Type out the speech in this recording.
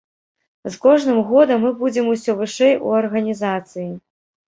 З кожным годам мы будзем усё вышэй у арганізацыі.